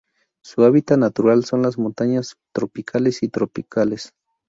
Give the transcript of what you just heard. Su hábitat natural son las montañas subtropicales o tropicales.